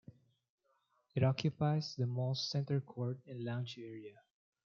It occupies the mall's center court and lounge area.